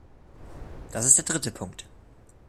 Das ist der dritte Punkt.